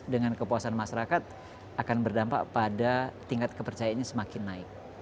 dengan kepuasan masyarakat akan berdampak pada tingkat kepercayaannya semakin naik